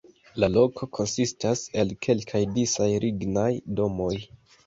La loko konsistas el kelkaj disaj lignaj domoj.